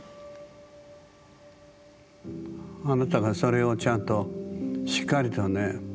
あなたがそれをちゃんとしっかりとね